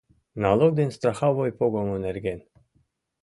Налог ден страховой погымо нерген.